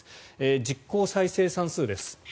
実効再生産数です。